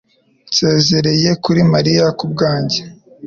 Nsezere kuri Mariya kubwanjye